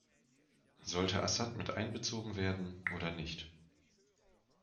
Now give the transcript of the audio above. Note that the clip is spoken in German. Sollte Assad mit einbezogen werden oder nicht?